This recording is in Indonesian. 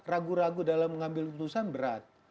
ragu ragu dalam mengambil keputusan berat